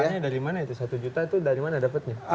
harganya dari mana itu satu juta itu dari mana dapatnya